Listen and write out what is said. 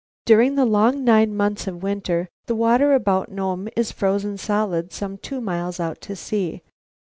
During the long nine months of winter the water about Nome is frozen solid some two miles out to sea.